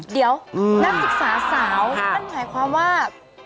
เดี๋ยวนักศึกษาสาวนั่นหมายความว่า